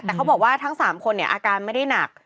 แต่เขาบอกว่าทั้ง๓คนเนี่ยอาการไม่ได้หนัก